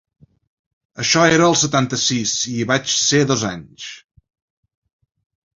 Això era el setanta-sis i hi vaig ser dos anys.